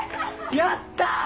やったぁ！